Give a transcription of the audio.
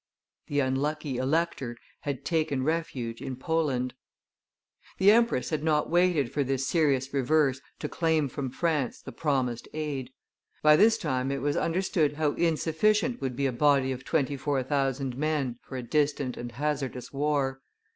The unlucky elector had taken refuge in Poland. The empress had not waited for this serious reverse to claim from France the promised aid. By this time it was understood how insufficient would be a body of twenty four thousand men for a distant and hazardous war.